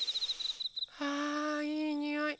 あいいにおい。